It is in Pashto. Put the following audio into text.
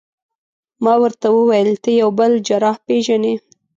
ما ورته وویل: ته یو بل جراح پېژنې؟